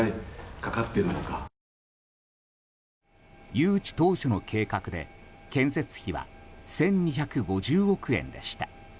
誘致当初の計画で建設費は１２５０億円でした。